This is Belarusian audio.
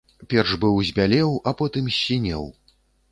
Перш быў збялеў, а потым ссінеў.